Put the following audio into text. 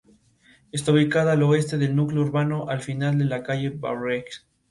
Sus profesores fueron Hernando "El Mico" García y Jorge Chaparro Jr.